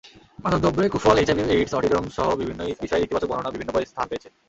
মাদকদ্রব্যের কুফল, এইচআইভি-এইডস, অটিজমসহ বিভিন্ন বিষয়ের ইতিবাচক বর্ণনাও বিভিন্ন বইয়ে স্থান পেয়েছে।